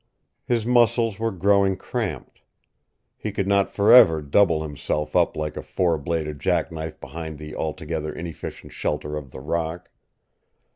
His muscles were growing cramped. He could not forever double himself up like a four bladed jackknife behind the altogether inefficient shelter of the rock.